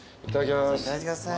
いただきます。